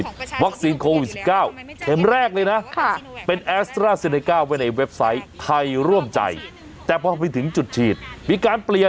ได้ค่ะอันนี้คือไม่ขอรับนะคะไม่ขอฉีดค่ะขอบคุณค่ะ